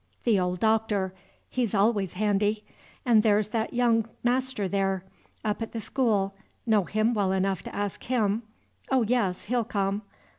the old Doctor, he 's always handy; and there's that young master there, up at the school, know him well enough to ask him, oh, yes, he'll come.